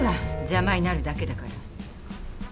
邪魔になるだけだから。